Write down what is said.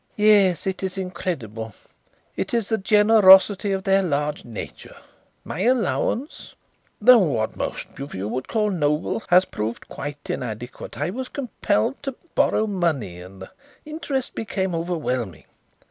"Yes; it is incredible. It is the generosity of their large nature. My allowance, though what most of you would call noble, has proved quite inadequate. I was compelled to borrow money and the interest became overwhelming.